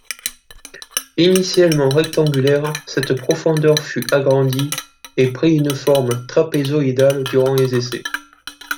Initialement rectangulaire, cette profondeur fut agrandie et prit une forme trapézoïdale durant les essais.